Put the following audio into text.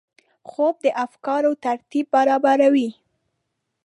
خوب د افکارو ترتیب برابروي